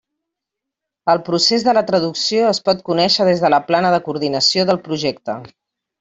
El procés de la traducció es pot conèixer des de la plana de coordinació del projecte.